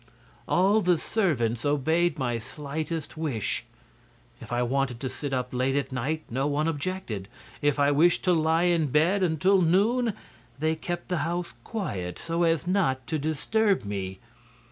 All the servants obeyed my slightest wish: if I wanted to sit up late at night no one objected; if I wished to lie in bed till noon they kept the house quiet so as not to disturb me.